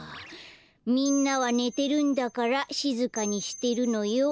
「みんなはねてるんだからしずかにしてるのよ」ね。